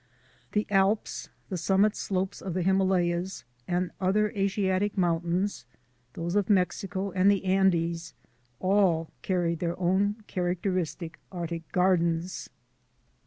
The Alps, the summit slopes of the Hima layas and other Asiatic mountains, those of Mex ico and the Andes, all carry their own characteristic Arctic gardens.